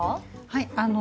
はい。